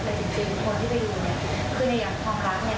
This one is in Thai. แต่จริงคนที่ไปดูเนี่ยคือในยามความรักเนี่ย